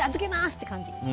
って感じ。